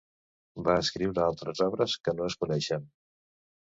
Va escriure altres obres que no es coneixen.